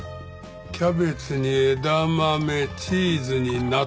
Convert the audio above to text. キャベツに枝豆チーズに納豆。